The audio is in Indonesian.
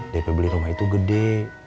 daripada beli rumah itu gede